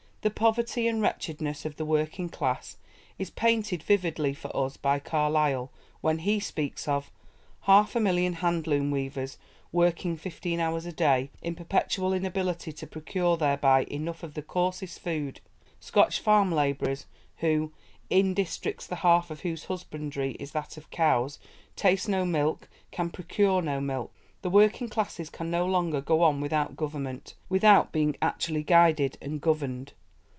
The poverty and wretchedness of the working class is painted vividly for us by Carlyle when he speaks of "half a million handloom weavers, working 15 hours a day, in perpetual inability to procure thereby enough of the coarsest food; Scotch farm labourers, who 'in districts the half of whose husbandry is that of cows, taste no milk, can procure no milk' ... the working classes can no longer go on without government, without being actually guided and governed."